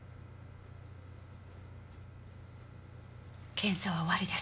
検査は終わりです。